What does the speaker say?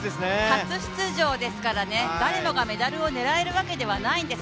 初出場ですからね、誰もがメダルを狙えるわけではないんです。